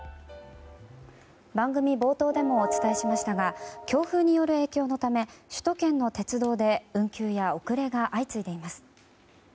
番組冒頭でもお伝えしましたが強風による影響のため首都圏の鉄道で運休や遅れが相次いでいます。